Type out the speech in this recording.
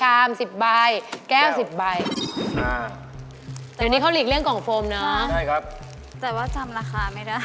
ชาม๑๐ใบแก้ว๑๐ใบแต่วันนี้เขาอีกเรื่องกล่องโฟมเนอะแต่ว่าจำราคาไม่ได้